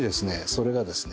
それがですね